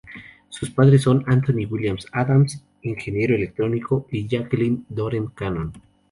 Sus padres son: Anthony William Adams, ingeniero electrónico, y Jacqueline Doreen Cannon.